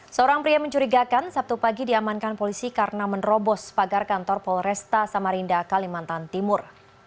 seorang pria mencurigakan sabtu pagi diamankan polisi karena menerobos pagar kantor polresta samarinda kalimantan timur